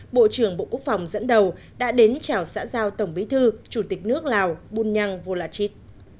bộ trưởng bộ quốc phòng dẫn đầu đã đến chào xã giao tổng bí thư chủ tịch nước lào bùn nhang vô lạ chít